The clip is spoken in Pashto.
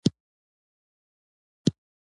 دغه سیاسي انقلاب یو متمرکز دولت رامنځته کړ.